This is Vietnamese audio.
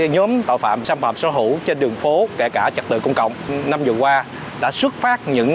nhóm tội phạm xâm phạm sở hữu trên đường phố kể cả chất tự công cộng năm vừa qua đã xuất phát những